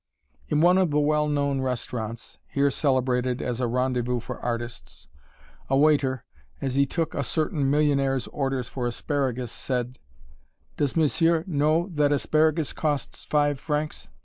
In one of the well known restaurants here celebrated as a rendezvous for artists a waiter, as he took a certain millionaire's order for asparagus, said: "Does monsieur know that asparagus costs five francs?"